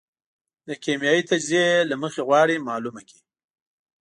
د کېمیاوي تجزیې له مخې غواړي معلومه کړي.